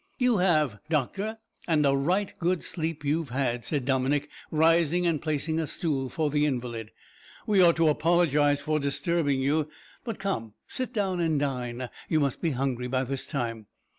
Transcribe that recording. "You have, doctor, and a right good sleep you've had," said Dominick, rising and placing a stool for the invalid. "We ought to apologise for disturbing you; but come, sit down and dine. You must be hungry by this time."